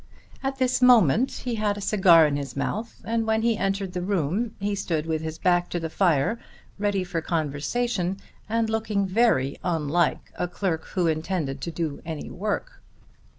At this moment he had a cigar in his mouth, and when he entered the room he stood with his back to the fire ready for conversation and looking very unlike a clerk who intended to do any work.